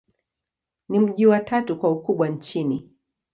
Ni mji wa tatu kwa ukubwa nchini.